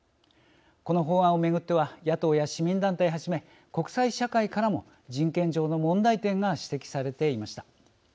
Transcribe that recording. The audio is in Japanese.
この法案を巡っては野党や市民団体はじめ国際社会からも人権上の問題点が指摘されていました。